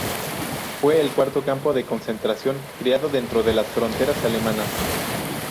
Fue el cuarto campo de concentración creado dentro de las fronteras alemanas.